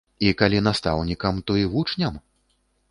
І калі настаўнікам, то і вучням?